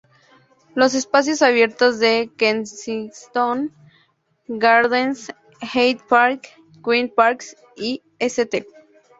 Los espacios abiertos de Kensington Gardens, Hyde Park, Green Park y St.